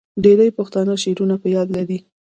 ډیری پښتانه شعرونه په یاد لري.